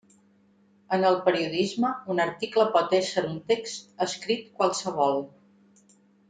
En el periodisme un article pot ésser un text escrit qualsevol.